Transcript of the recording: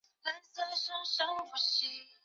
电影是以美国队长为主角。